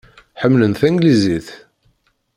Ḥemmlen tanglizit.